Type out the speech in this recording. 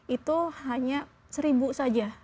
itu hanya seribu saja